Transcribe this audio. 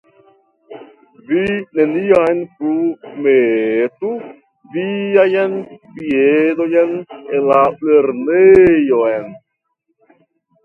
Vi neniam plu metu viajn piedojn en la lernejon!